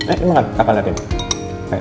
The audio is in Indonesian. enggak enggak enggak